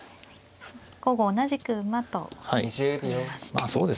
５五同じく馬と取りましたね。